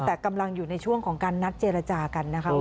แต่กำลังอยู่ในช่วงของการนัดเจรจากันนะคะ